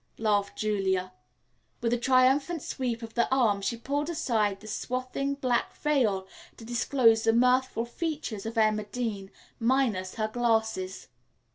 laughed Julia. With a triumphant sweep of the arm, she pulled aside the swathing black veil, to disclose the mirthful features of Emma Dean, minus her glasses.